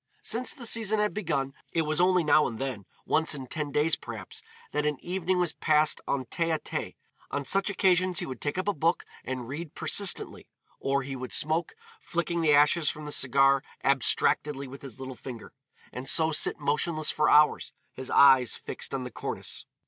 Since the season had begun, it was only now and then, once in ten days perhaps, that an evening was passed en tête à tête. On such occasions he would take up a book and read persistently, or he would smoke, flicking the ashes from the cigar abstractedly with his little finger, and so sit motionless for hours, his eyes fixed on the cornice.